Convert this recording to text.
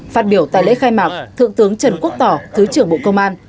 phát biểu tại lễ khai mạc thượng tướng trần quốc tỏ thứ trưởng bộ công an